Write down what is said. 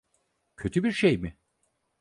Kötü bir şey mi?